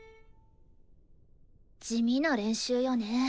地味な練習よね。